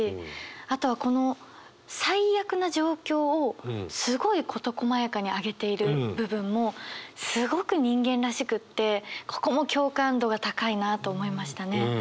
あとこの最悪な状況をすごい事こまやかに挙げている部分もすごく人間らしくってここも共感度が高いなと思いましたね。